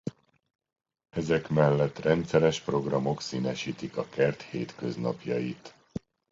Ezek mellett rendszeres programok színesítik a kert hétköznapjait.